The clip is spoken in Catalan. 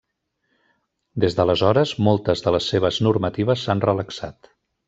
Des d'aleshores, moltes de les seves normatives s'han relaxat.